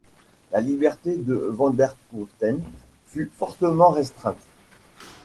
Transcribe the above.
La liberté de Vanderpoorten fut fortement restreinte.